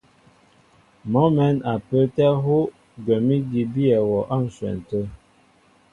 Mɔ mɛ̌n a pə́ə́tɛ́ hú gwɛ̌m ígi í bíyɛ wɔ á ǹshwɛn tə̂.